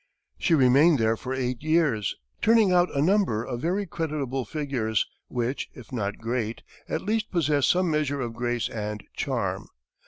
She remained there for eight years, turning out a number of very creditable figures, which, if not great, at least possess some measure of grace and charm.